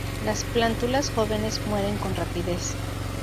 Las plántulas jóvenes mueren con rapidez.